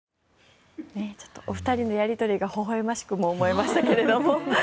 お二人のやり取りがほほ笑ましくも思えましたけども。